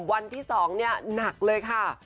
วันที่๒เนี่ยหนักเลยค่ะ